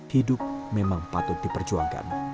hidup memang patut diperjuangkan